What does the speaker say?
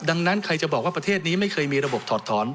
ดังนั้นใครจะบอกว่าประเทศนี้ไม่เคยมีระบบถอดถอน